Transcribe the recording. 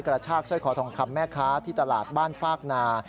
กระชากสร้อยคอทองคำแม่ค้าที่ตลาดบ้านฟากนา